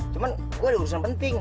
cuman gue ada urusan penting